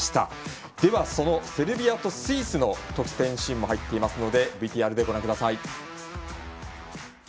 では、セルビアとスイスの得点シーンも入っていますのでＶＴＲでご覧ください。